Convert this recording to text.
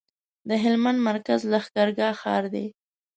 د هلمند مرکز لښکرګاه ښار دی